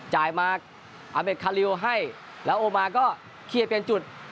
จ่ายมาอเมฆคาลิวให้แล้วอโม้าก็เคียร์เปลี่ยนจุด